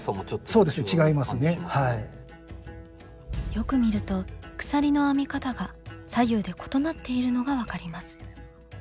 よく見ると鎖の編み方が左右で異なっているのが分かります。